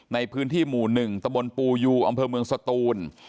ในพื้นที่หมู่๑ตะบนปูยูอำเภอเมืองสตูน